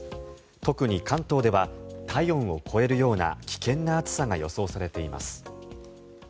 特に関東では体温を超えるような危険な暑さが予想されています。